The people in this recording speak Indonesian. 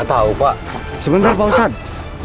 tidak pak ustadz